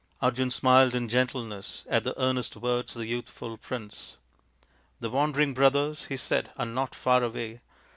" Arjun smiled in gentleness at the earnest words of the youthful prince. " The wandering brothers, " he said, " are not far away.